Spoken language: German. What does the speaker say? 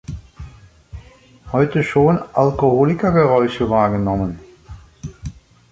Heute schon Alkoholikergeräusche wahrgenommen?